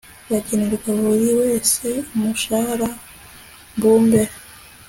bagenerwa buri wese umushahara mbumbe